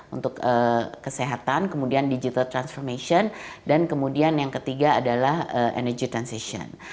untuk kesehatan kemudian digital transformation dan kemudian yang ketiga adalah energy transition